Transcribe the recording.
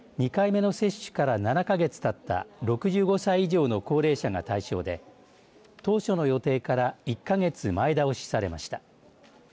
２回目の接種から７か月たった６５歳以上の高齢者が対象で当初の予定から１か月、前倒しされました。